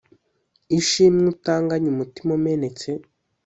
ishimwe utanganye umutima umenetse